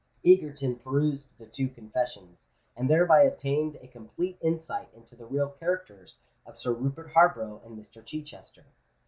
Egerton perused the two confessions, and thereby obtained a complete insight into the real characters of Sir Rupert Harborough and Mr. Chichester.